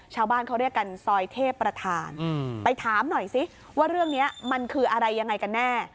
ชาวบ้านเขาเรียกกันซอยเทพประธานไปถามหน่อยสิว่าเรื่องนี้มันคืออะไรยังไงกันแน่